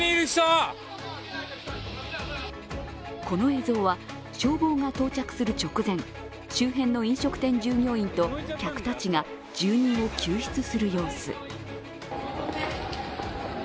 この映像は、消防が到着する直前周辺の飲食店従業員と客たちが住人を救出する様子。